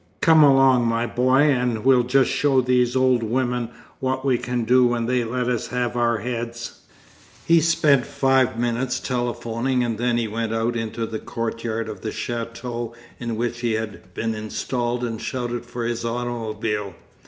Come along, my boy, and we'll just show these old women what we can do when they let us have our heads.' He spent five minutes telephoning and then he went out into the courtyard of the chateau in which he had been installed and shouted for his automobile.